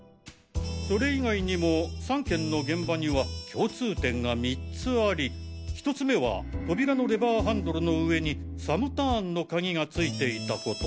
それ以外にも３件の現場には共通点が３つあり１つ目は扉のレバーハンドルの上にサムターンの鍵がついていたこと。